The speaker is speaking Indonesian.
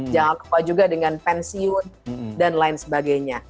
jangan lupa juga dengan pensiun dan lain sebagainya